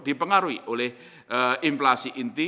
dipengaruhi oleh inflasi inti